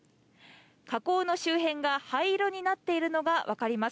火口の周辺が灰色になっているのが分かります。